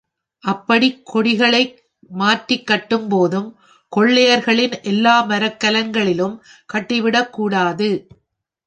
அப்படிக் கொடிகளை மாற்றிக் கட்டும்போதும் கொள்ளையர்களின் எல்லாமரக்கலங்களிலும் கட்டிவிடக்கூடாது.